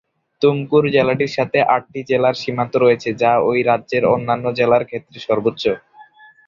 তুমকুর জেলাটির সাথে আটটি জেলার সীমান্ত রয়েছে, যা ওই রাজ্যের অন্যান্য জেলার ক্ষেত্রে সর্বোচ্চ।